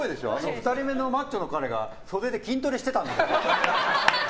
２人目のマッチョの彼が袖で筋トレしてたけど。